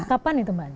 kapan itu mbak ani